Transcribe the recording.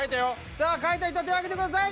さあ書いた人は手を挙げてください。